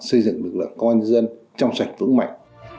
xây dựng lực lượng công an dân trong sạch vững mạnh